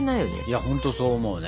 いやほんとそう思うね。